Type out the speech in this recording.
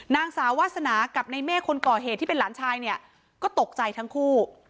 นางสาววาสนากับในเมฆคนก่อเหตุที่เป็นหลานชายเนี่ยก็ตกใจทั้งคู่